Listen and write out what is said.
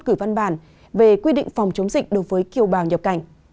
gửi văn bản về quy định phòng chống dịch đối với kiều bào nhập cảnh